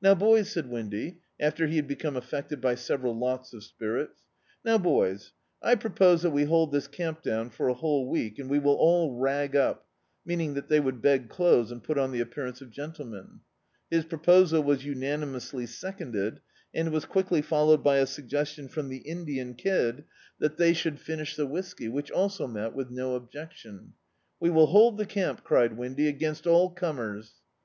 "Now, bojrs," said Windy, after he had become affected by several lots of spirits — "Now, boys, I propose that we hold this camp down for a whole week, and we will all rag up" — mean ing that they would beg clothes and put on the appearance of gentlemen. His prop<^ was unani mously seconded, and was quickly followed hy a suggestion from the Indian Kid that they should [1511 D,i.,.db, Google The Autobiography of a Super Tramp finish the whisky, which also met with no objec tion. "We will hold the camp," cried Windy, "against all comers."